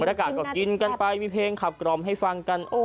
มันกลับกอดกินกันไปมีเพลงขับกรมให้ฟังกัน